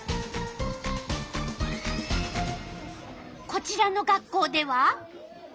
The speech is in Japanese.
こちらの学校では。